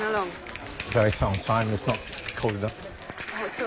そう。